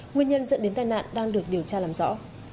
nguyên nhân dẫn đến tai nạn đang được điều tra làm rõ